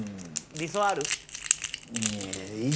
理想ある？